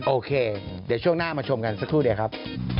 โอเคเดี๋ยวช่วงหน้ามาชมกันสักครู่เดียวครับ